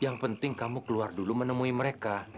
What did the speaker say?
yang penting kamu keluar dulu menemui mereka